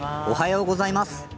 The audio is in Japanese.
おはようございます。